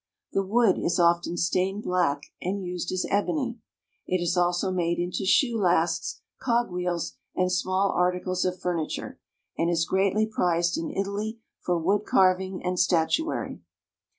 The wood is often stained black and used as ebony. It is also made into shoe lasts, cog wheels and small articles of furniture, and is greatly prized in Italy for wood carving and statuary.